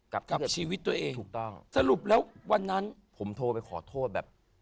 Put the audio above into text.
กับกับชีวิตตัวเองถูกต้องสรุปแล้ววันนั้นผมโทรไปขอโทษแบบ